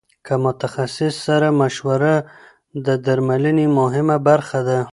له متخصص سره مشوره د درملنې مهمه برخه ده.